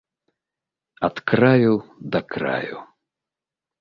Ад краю да краю!